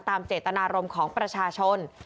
เจตนารมณ์ของประชาชน